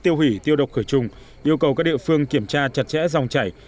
tiêu hủy tiêu độc khởi trùng yêu cầu các địa phương kiểm tra chặt chẽ dòng chảy